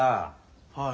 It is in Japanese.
はい。